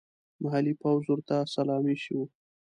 محلي پوځ ورته سلامي شو.